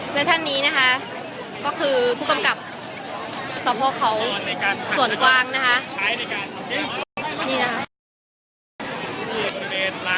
และท่านนี้นะคะก็คือผู้กำกับสพครเขาส่วนกว้างนะคะ